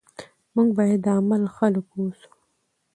موږ باید د عمل خلک اوسو.